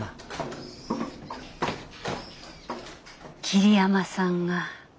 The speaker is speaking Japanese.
桐山さんが？